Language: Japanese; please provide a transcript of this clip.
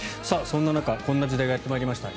そんな中、こんな時代がやってまいりました。